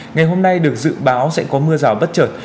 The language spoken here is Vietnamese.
ngày hôm nay được dự báo sẽ có mưa rào bất chợt